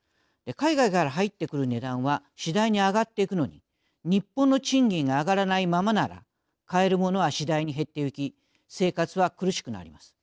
海外から入ってくる値段は次第に上がっていくのに日本の賃金が上がらないままなら買えるものは次第に減っていき生活は苦しくなります。